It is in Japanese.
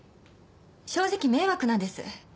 正直迷惑なんです。